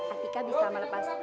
atika bisa melepas